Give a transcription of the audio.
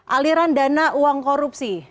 aliran dana uang korupsi